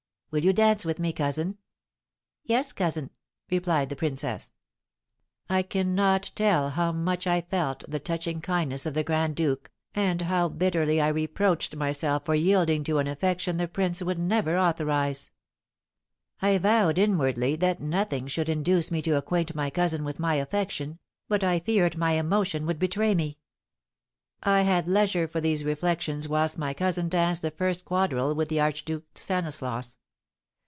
"Will you dance with me, cousin?" "Yes, cousin," replied the princess. I cannot tell how much I felt the touching kindness of the grand duke, and how bitterly I reproached myself for yielding to an affection the prince would never authorise. I vowed inwardly that nothing should induce me to acquaint my cousin with my affection, but I feared my emotion would betray me. I had leisure for these reflections whilst my cousin danced the first quadrille with the Archduke Stanislaus.